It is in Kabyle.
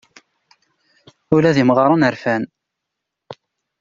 Ula d imɣaren rfan.